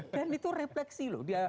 dan itu refleksi loh